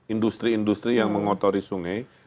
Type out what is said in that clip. industri industri yang mengotori sungai